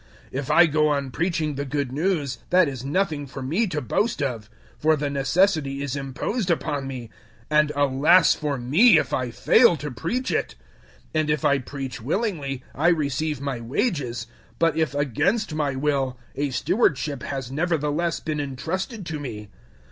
009:016 If I go on preaching the Good News, that is nothing for me to boast of; for the necessity is imposed upon me; and alas for me, if I fail to preach it! 009:017 And if I preach willingly, I receive my wages; but if against my will, a stewardship has nevertheless been entrusted to me.